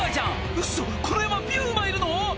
「ウソこの山ピューマいるの⁉」